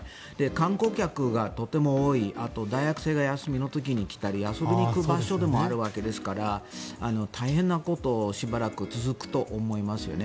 観光客がとても多いあと、大学生が休みの時に来たり遊びに行く場所でもあるわけですから大変なことがしばらく続くと思いますよね。